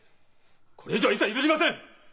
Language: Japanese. これ以上は一切譲りません！